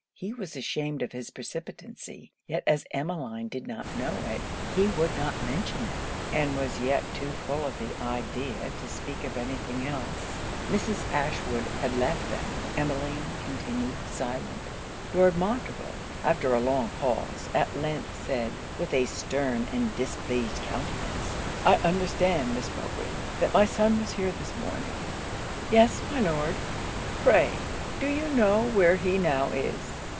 He was ashamed of his precipitancy; yet as Emmeline did not know it, he would not mention it; and was yet too full of the idea to speak of any thing else. Mrs. Ashwood had left them Emmeline continued silent. Lord Montreville, after a long pause, at length said, with a stern and displeased countenance, 'I understand, Miss Mowbray, that my son was here this morning.' 'Yes, my Lord.' 'Pray, do you know where he now is?'